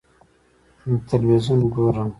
ه تلویزیون ګورم.